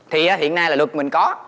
thì hiện nay là luật mình có